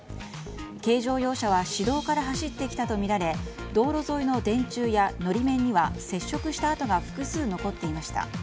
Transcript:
軽乗用車は市道から走ってきたとみられ道路沿いの電柱や法面には接触した跡が複数残っていました。